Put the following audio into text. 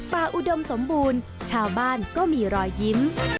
อุดมสมบูรณ์ชาวบ้านก็มีรอยยิ้ม